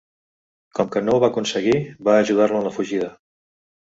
Com que no ho va aconseguir, va ajudar-lo en la fugida.